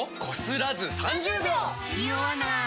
ニオわない！